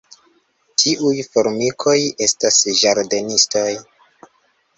Tiuj formikoj estas ĝardenistoj.